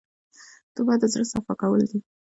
توبه د زړه صفا کول دي.